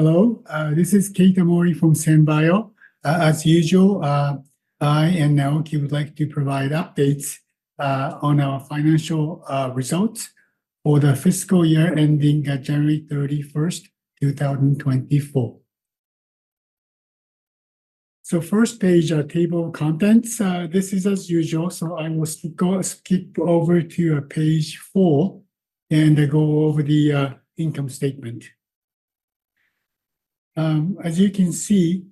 Hello, this is Keita Mori from SanBio. As usual, I and Naoki would like to provide updates on our financial results for the fiscal year ending January 31, 2024. First page, table of contents, this is as usual, so I will skip over to page four and go over the income statement. As you can see,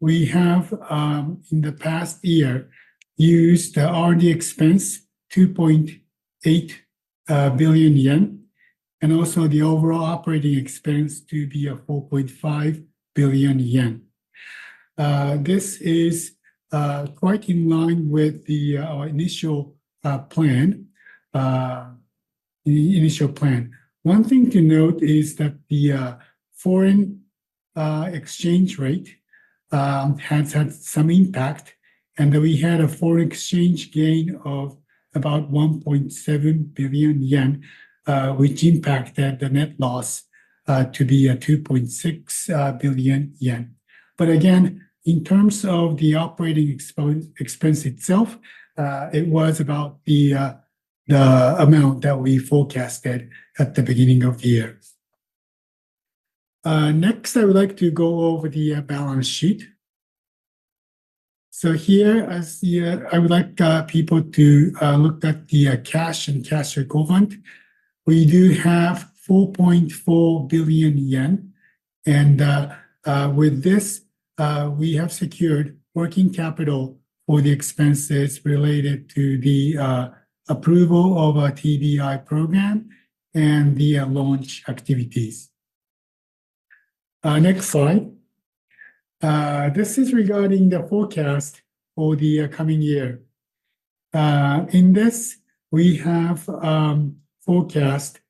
we have, in the past year, used the R&D expense 2.8 billion yen and also the overall operating expense to be 4.5 billion yen. This is quite in line with our initial plan. One thing to note is that the foreign exchange rate has had some impact, and we had a foreign exchange gain of about 1.7 billion yen, which impacted the net loss to be 2.6 billion yen. Again, in terms of the operating expense itself, it was about the amount that we forecasted at the beginning of the year. Next, I would like to go over the balance sheet. Here, I would like people to look at the cash and cash equivalent. We do have 4.4 billion yen, and with this, we have secured working capital for the expenses related to the approval of our TBI program and the launch activities. Next slide. This is regarding the forecast for the coming year. In this, we have forecast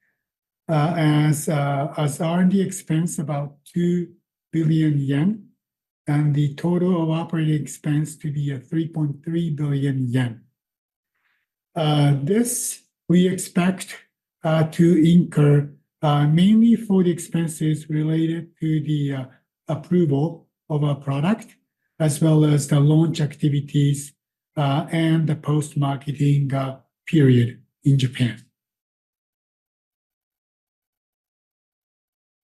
as R&D expense about 2 billion yen and the total of operating expense to be 3.3 billion yen. This, we expect to incur mainly for the expenses related to the approval of our product, as well as the launch activities and the post-marketing period in Japan.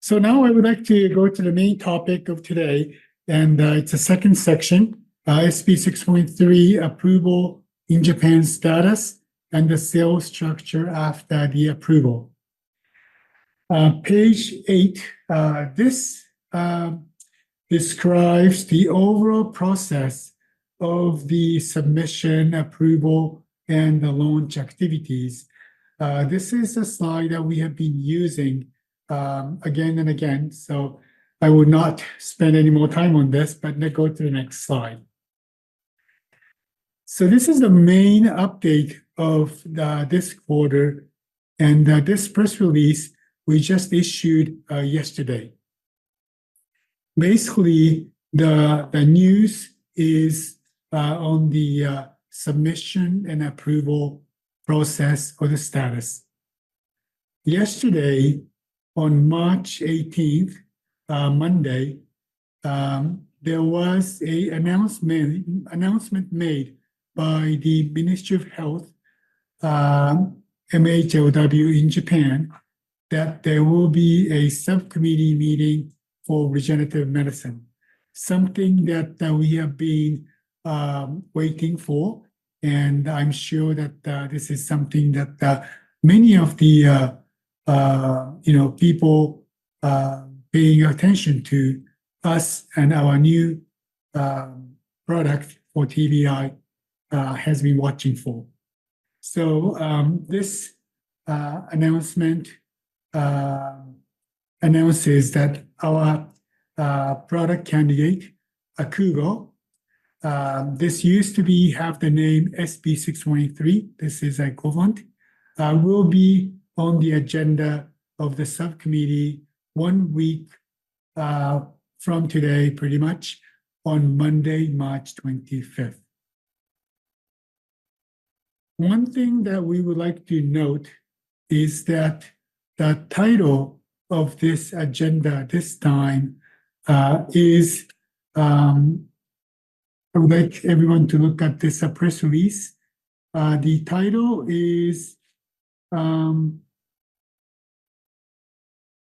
Now I would like to go to the main topic of today, and it's the second section, AKUUGO approval in Japan status and the sales structure after the approval. Page eight, this describes the overall process of the submission, approval, and the launch activities. This is a slide that we have been using again and again, so I will not spend any more time on this. Let's go to the next slide. This is the main update of this quarter, and this press release we just issued yesterday. Basically, the news is on the submission and approval process for the status. Yesterday, on March 18, Monday, there was an announcement made by the Ministry of Health, Labour and Welfare in Japan that there will be a subcommittee meeting for regenerative medicine, something that we have been waiting for. I'm sure that this is something that many of the people paying attention to us and our new product for TBI have been watching for. This announcement announces that our product candidate, AKUUGO, this used to have the name SB 623. This is equivalent. It will be on the agenda of the subcommittee one week from today, pretty much, on Monday, March 25th. One thing that we would like to note is that the title of this agenda this time is I would like everyone to look at this press release. The title is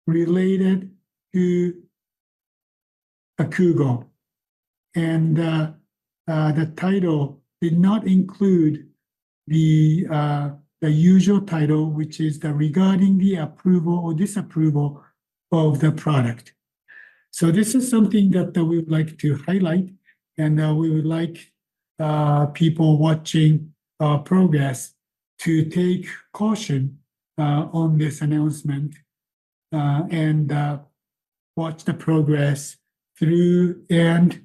related to AKUUGO, and the title did not include the usual title, which is regarding the approval or disapproval of the product. This is something that we would like to highlight, and we would like people watching our progress to take caution on this announcement and watch the progress through and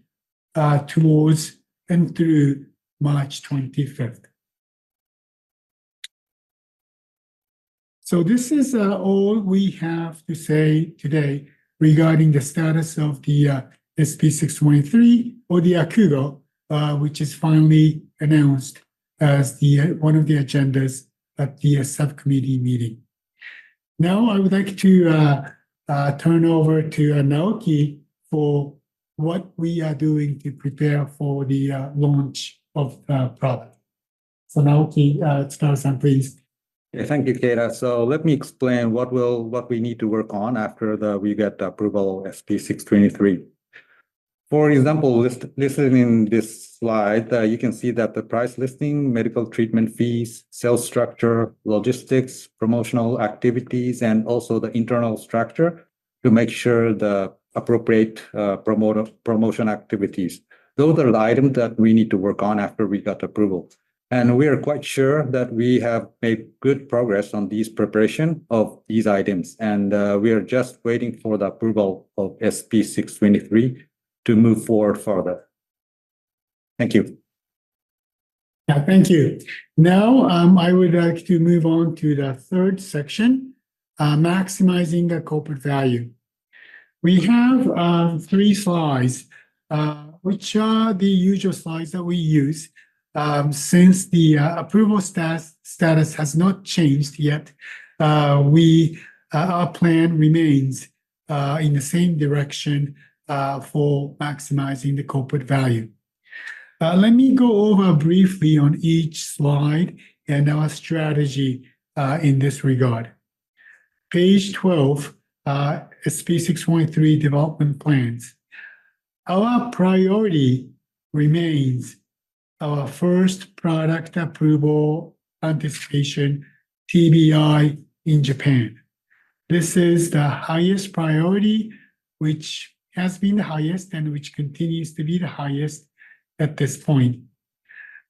towards and through March 25th. This is all we have to say today regarding the status of the SB 623 or the AKUUGO, which is finally announced as one of the agendas at the subcommittee meeting. Now I would like to turn over to Naoki for what we are doing to prepare for the launch of the product. Naoki, start us out, please. Yeah, thank you, Keita. Let me explain what we need to work on after we get the approval of SB 623. For example, listed in this slide, you can see that the price listing, medical treatment fees, sales structure, logistics, promotional activities, and also the internal structure to make sure the appropriate promotion activities. Those are the items that we need to work on after we got approval. We are quite sure that we have made good progress on these preparations of these items, and we are just waiting for the approval of SB 623 to move forward further. Thank you. Thank you. Now I would like to move on to the third section, maximizing the corporate value. We have three slides, which are the usual slides that we use since the approval status has not changed yet. Our plan remains in the same direction for maximizing the corporate value. Let me go over briefly on each slide and our strategy in this regard. Page 12, AKUUGO development plans. Our priority remains our first product approval participation, TBI in Japan. This is the highest priority, which has been the highest and which continues to be the highest at this point.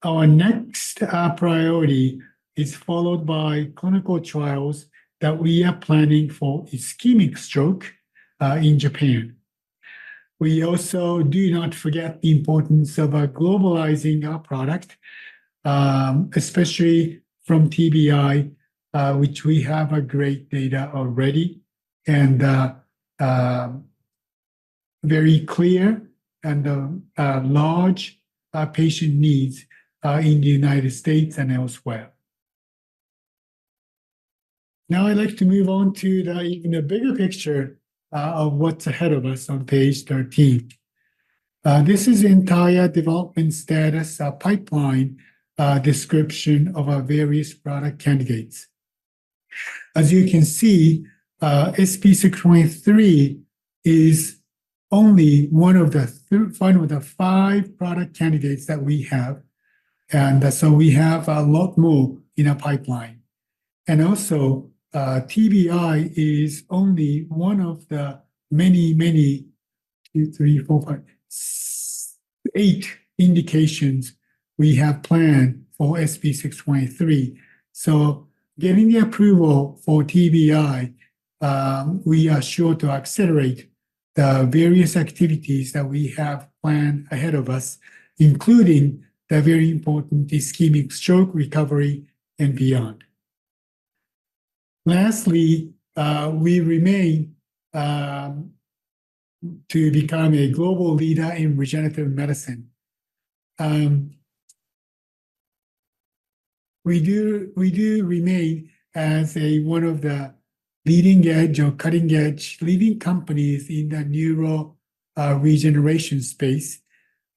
Our next priority is followed by clinical trials that we are planning for ischemic stroke in Japan. We also do not forget the importance of globalizing our product, especially from TBI, which we have great data already and very clear and large patient needs in the U.S. and elsewhere. Now I'd like to move on to the bigger picture of what's ahead of us on page 13. This is the entire development status pipeline description of our various product candidates. As you can see, AKUUGO is only one of the final five product candidates that we have, and so we have a lot more in our pipeline. Also, TBI is only one of the many, many, two, three, four, eight indications we have planned for AKUUGO. Getting the approval for TBI, we are sure to accelerate the various activities that we have planned ahead of us, including the very important ischemic stroke recovery and beyond. Lastly, we remain to become a global leader in regenerative medicine. We do remain as one of the leading edge or cutting-edge leading companies in the neural regeneration space.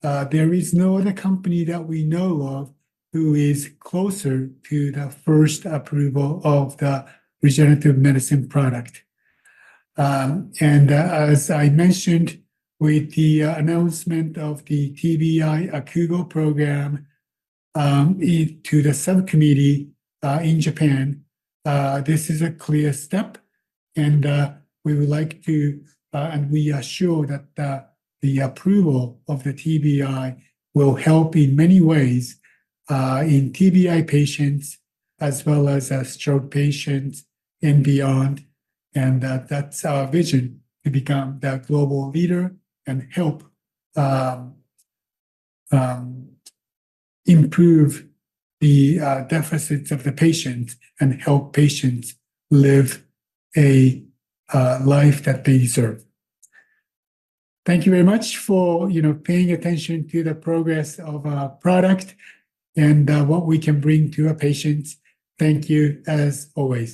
There is no other company that we know of who is closer to the first approval of the regenerative medicine product. As I mentioned with the announcement of the TBI AKUUGO program to the subcommittee in Japan, this is a clear step, and we would like to, and we are sure that the approval of the TBI will help in many ways in TBI patients as well as stroke patients and beyond. That's our vision to become the global leader and help improve the deficits of the patients and help patients live a life that they deserve. Thank you very much for paying attention to the progress of our product and what we can bring to our patients. Thank you as always.